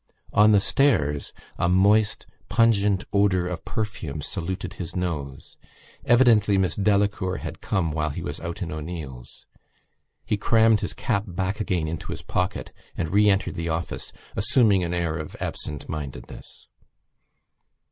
On the stairs a moist pungent odour of perfumes saluted his nose: evidently Miss Delacour had come while he was out in O'Neill's. He crammed his cap back again into his pocket and re entered the office, assuming an air of absent mindedness.